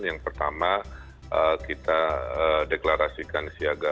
yang pertama kita deklarasikan siaga